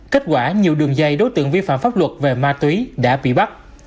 kết quả nhiều đường dây đối tượng vi phạm pháp luật về ma túy đã bị bắt